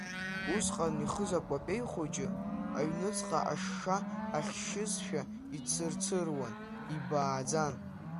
Усҟан ихыз акәапеи хәыҷы аҩныҵҟа ашша ахьшьызшәа ицырцыруан, ибааӡан.